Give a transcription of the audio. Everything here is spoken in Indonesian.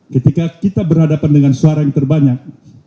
ketika kita berhadapan dengan suara yang terbanyak